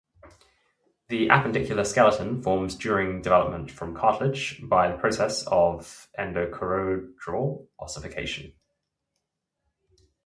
The appendicular skeleton forms during development from cartilage, by the process of endochondral ossification.